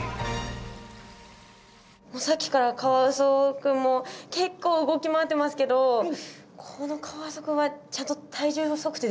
もうさっきからカワウソくんも結構動き回ってますけどこのカワウソくんはちゃんと体重測定できるんですか？